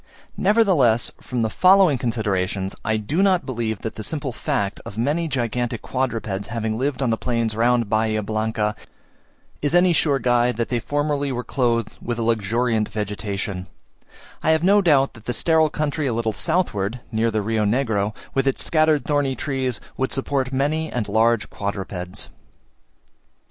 Nevertheless, from the following considerations, I do not believe that the simple fact of many gigantic quadrupeds having lived on the plains round Bahia Blanca, is any sure guide that they formerly were clothed with a luxuriant vegetation: I have no doubt that the sterile country a little southward, near the Rio Negro, with its scattered thorny trees, would support many and large quadrupeds.